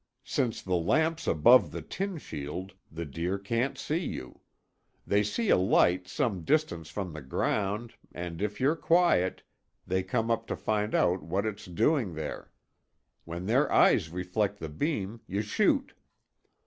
Since the lamp's above the tin shield, the deer can't see you. They see a light some distance from the ground and, if you're quiet, they come up to find out what it's doing there. When their eyes reflect the beam, you shoot."